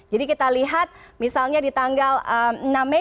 jadi kita lihat misalnya di tanggal enam mei